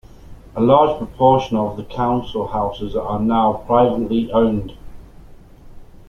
A large proportion of the council houses are now privately owned.